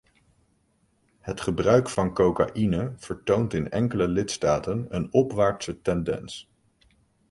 Het gebruik van cocaïne vertoont in enkele lidstaten een opwaartse tendens.